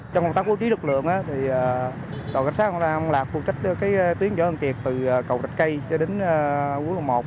trong công tác bố trí lực lượng đội cảnh sát hồng lạc phụ trách tuyến dõi ăn tiệc từ cầu rạch cây cho đến quốc lộ một